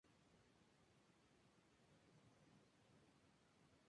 Se retiró en San Martín de Tucumán.